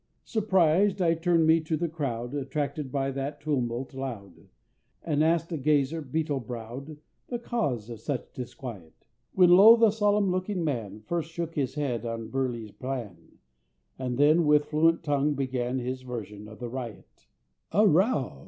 Surprised, I turn'd me to the crowd, Attracted by that tumult loud, And ask'd a gazer, beetle brow'd, The cause of such disquiet. When lo! the solemn looking man, First shook his head on Burleigh's plan, And then, with fluent tongue, began His version of the riot: A row!